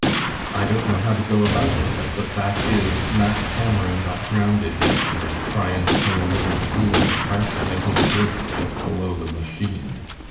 I don't know how to go about it, but the fact is, Mack Cameron got drownded yesterday tryin to pull a little fool of a Frenchman out of the river just below the Lachine.